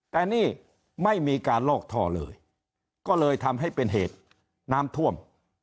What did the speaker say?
แต่นี่ไม่มีการลอกท่อเลยก็เลยทำให้เป็นเหตุน้ำท่วม